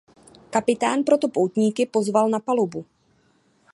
Kapitán proto poutníky pozval na palubu.